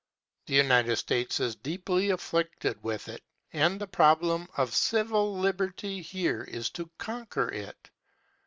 The United States is deeply afflicted with it, and the problem of civil liberty here is to conquer it.